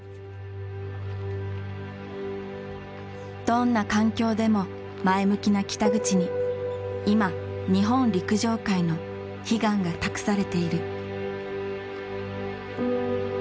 どんな環境でも前向きな北口に今日本陸上界の悲願が託されている。